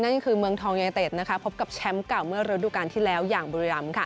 นั่นก็คือเมืองทองยูเนตเตสพบกับแชมป์กล่าวเมื่อระดูกาลที่แล้วอย่างบริยาม